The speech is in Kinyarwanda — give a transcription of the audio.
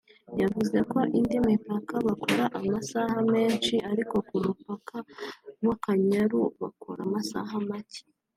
yavuze ko indi mipaka bakora amasaha menshi ariko ku mupaka w’Akanyaru bakora amasaha make